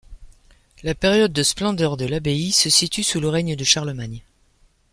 La période de splendeur de l'abbaye se situe sous le règne de Charlemagne.